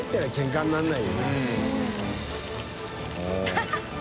ハハハ